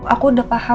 aku udah paham